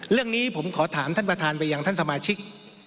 เรื่องนี้ผมขอถามท่านประธานไปยังท่านสมาชิก